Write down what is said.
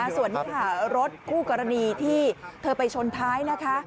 ส่วนนี้ค่ะรถคู่กรณีที่เธอไปชนท้ายนะคะ